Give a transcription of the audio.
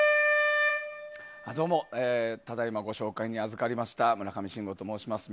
どうも、ただいまご紹介にあずかりました村上信五と申します。